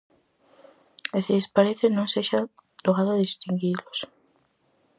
E se lles parece non sexa doado distinguilos.